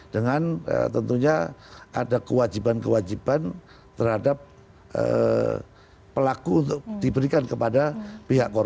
dengan tentunya ada kewajiban kewajiban terhadap pelaku untuk diberikan kepada pihak korban